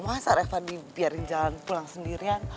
masa reva dibiarin jalan pulang sendirian